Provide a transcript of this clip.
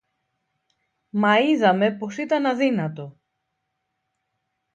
Μα είδαμε πως ήταν αδύνατο